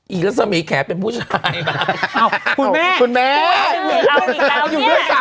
อีระสะมีแขกเป็นผู้ชาย